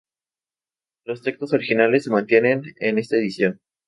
Los textos originales se mantienen en esta edición.